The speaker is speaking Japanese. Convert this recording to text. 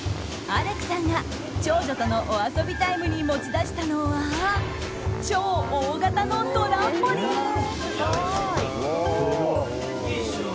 アレクさんが長女とのお遊びタイムに持ち出したのは超大型のトランポリン。